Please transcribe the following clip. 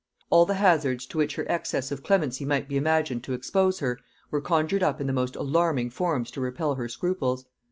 All the hazards to which her excess of clemency might be imagined to expose her, were conjured up in the most alarming forms to repel her scruples.